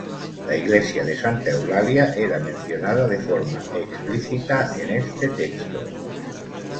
La iglesia de Santa Eulalia era mencionada de forma explícita en este texto.